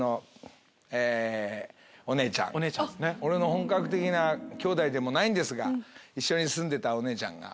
俺の本格的なきょうだいでもないですが一緒に住んでたお姉ちゃんが。